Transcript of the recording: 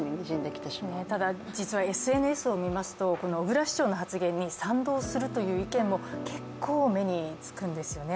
実はＳＮＳを見ますと小椋市長の発言に賛同するという意見も結構、目につくんですよね。